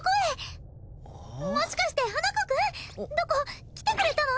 もしかして花子くん？どこ？来てくれたの？